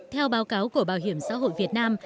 theo báo cáo của bảo hiểm xã hội việt nam